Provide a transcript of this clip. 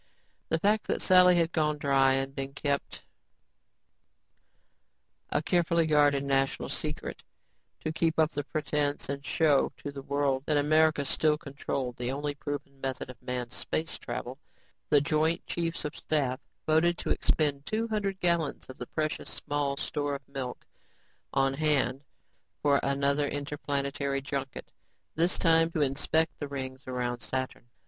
The fact that Sally had gone dry had been kept a carefully guarded national secret. To keep up the pretense and show to the world that America still controlled the only proven method of manned space travel, the Joint Chiefs of Staff voted to expend two hundred gallons of the precious, small store of milk on hand for another interplanetary junket, this time to inspect the rings around Saturn.